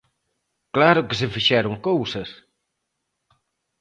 ¡Claro que se fixeron cousas!